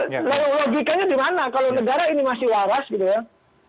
kalau logikanya di mana kalau negara ini masih waras gitu ya